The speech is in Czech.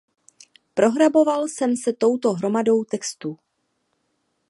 Prohraboval jsem se touto hromadou textů.